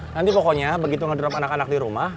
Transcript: nanti pokoknya begitu ngedrop anak anak di rumah